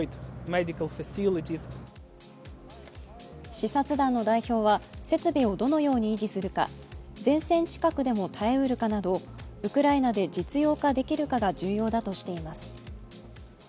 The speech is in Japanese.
視察団の代表は設備をどのように維持するか、前線近くでも耐えうるかなどウクライナで実用ができるかが重要だとしています。